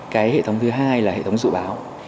cái hệ thống thứ hai là hệ thống dự báo